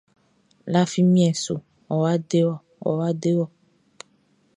Lafi mien su, ɔwa dewɔ, ɔwa dewɔ!